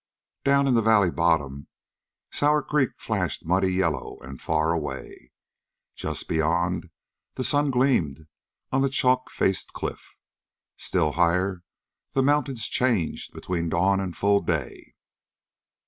Down in the valley bottom, Sour Creek flashed muddy yellow and far away. Just beyond, the sun gleamed on the chalk faced cliff. Still higher, the mountains changed between dawn and full day.